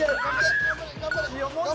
頑張れ！